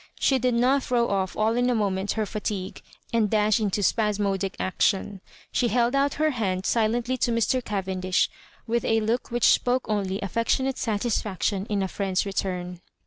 She did not throw off all in a moment her fatigue, and dash into spasmodic action. She held out her hand silently to Mr. Cavendish, with a look which spoke only affectionate satisfaction in a friend's return.